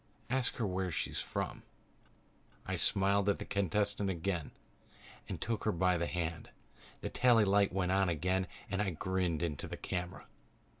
"Ask her where she comes from." I smiled at the contestant again and took her by the hand. The tally light went on again and I grinned into the camera.